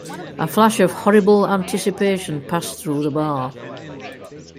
A flash of horrible anticipation passed through the bar.